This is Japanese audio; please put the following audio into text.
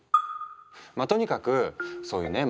まあとにかくそういうね